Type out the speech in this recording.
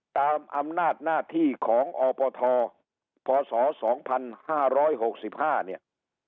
ตามอำนาจหน้าที่ของอปทพศสองพันห้าร้อยหกสิบห้าเนี่ย